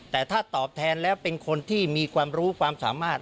แต่ถ้าตอบแทนแล้วเป็นคนที่มีความรู้ความสามารถ